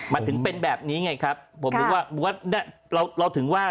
มันถึงเป็นแบบนี้ไงครับผมนึกว่าเราเราถึงว่า